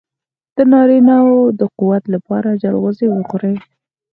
د نارینه وو د قوت لپاره چلغوزي وخورئ